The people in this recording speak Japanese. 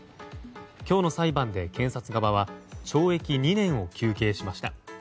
今日の裁判で検察側は懲役２年を求刑しました。